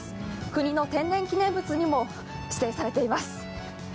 国の天然記念物にも指定されています。